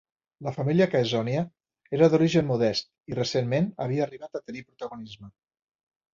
La família Caesonia era d'origen modest, i recentment havia arribat a tenir protagonisme.